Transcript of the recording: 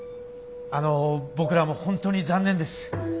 あの僕らも本当に残念です。